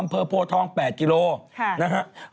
อำเภอโพทอง๘กิโลกรัม